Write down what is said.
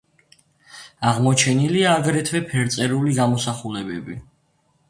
აღმოჩენილია აგრეთვე ფერწერული გამოსახულებები.